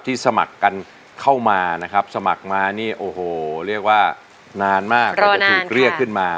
สมัครกันเข้ามานะครับสมัครมานี่โอ้โหเรียกว่านานมากกว่าจะถูกเรียกขึ้นมา